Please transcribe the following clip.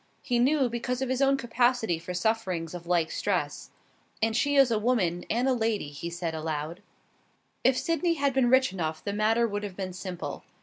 He knew, because of his own capacity for sufferings of like stress. "And she is a woman and a lady," he said, aloud. If Sydney had been rich enough, the matter would have been simple.